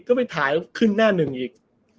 ก็ไปถ่ายขึ้นหน้าหนึ่งอีก